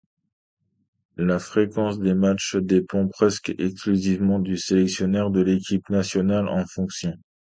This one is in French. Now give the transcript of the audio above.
La fréquence des matchs dépend presque exclusivement du sélectionneur de l'équipe nationale en fonction.